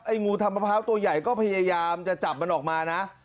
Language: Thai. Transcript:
งูทำมะพร้าวตัวใหญ่ก็พยายามจะจับมันออกมานะ